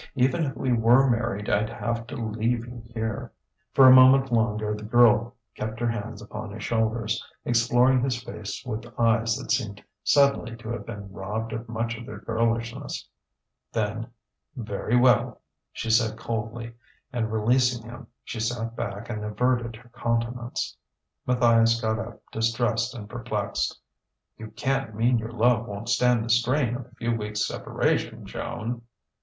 Even if we were married, I'd have to leave you here." For a moment longer the girl kept her hands upon his shoulders, exploring his face with eyes that seemed suddenly to have been robbed of much of their girlishness. Then: "Very well," she said coldly, and releasing him, she sat back and averted her countenance. Matthias got up, distressed and perplexed. "You can't mean your love won't stand the strain of a few weeks' separation, Joan!"